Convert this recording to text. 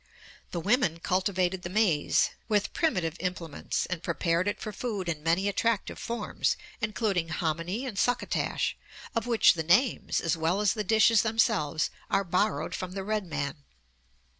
The women cultivated the maize with primitive implements, and prepared it for food in many attractive forms, including hominy and succotash, of which the names, as well as the dishes themselves, are borrowed from the red man.